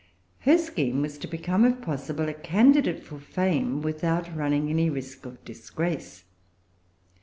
Her scheme was to become, if possible, a candidate for fame without running any risk of disgrace.